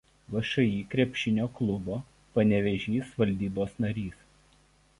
VšĮ krepšinio klubo „Panevėžys“ valdybos narys.